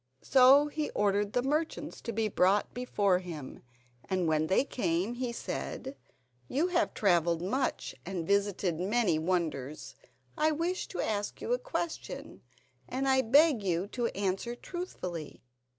So he ordered the merchants to be brought before him, and when they came he said: "You have travelled much and visited many wonders. I wish to ask you a question, and I beg you to answer truthfully.